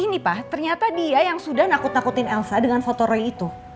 ini pak ternyata dia yang sudah nakut nakutin elsa dengan foto roy itu